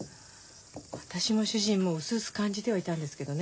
私も主人もうすうす感じてはいたんですけどね